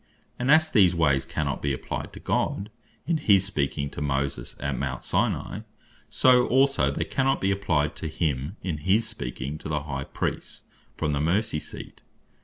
And as these ways cannot be applyed to God, in his speaking to Moses, at Mount Sinai; so also, they cannot be applyed to him, in his speaking to the High Priests, from the Mercy Seat.